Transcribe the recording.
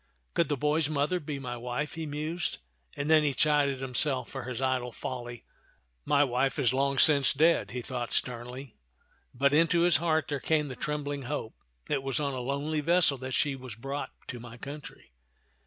" Could the boy's mother be my wife?" he mused, and then he chided himself for his idle folly. "My wife is long since dead," he thought sternly ; but into his heart there came the trembling hope, " It was on a lonely vessel that she was brought to my country.